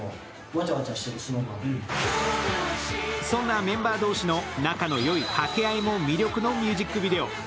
そんなメンバー同士の仲の良い掛け合いも魅力のミュージックビデオ。